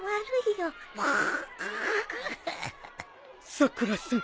さくらさん